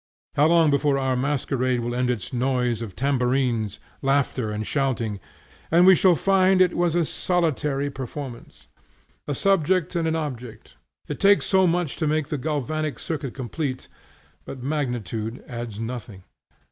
How long before our masquerade will end its noise of tambourines, laughter, and shouting, and we shall find it was a solitary performance? A subject and an object, it takes so much to make the galvanic circuit complete, but magnitude adds nothing.